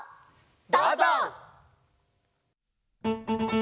どうぞ！